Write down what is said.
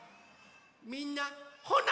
みんなほな。